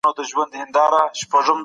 کوم هیواد غواړي تابعیت نور هم پراخ کړي؟